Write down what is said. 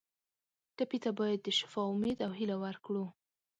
ټپي ته باید د شفا امید او هیله ورکړو.